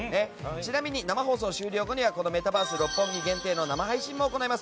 ちなみに生放送終了後にはメタバース六本木限定で生配信も行います。